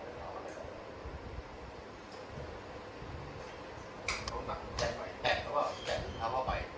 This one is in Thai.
แล้วก็เห็นว่ามันอยู่ที่ไหนดูให้เขินดอกบุมอยู่ในครองที่